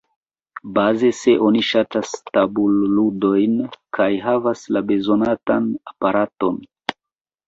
Baze, se oni ŝatas tabulludojn kaj havas la bezonatan aparaton.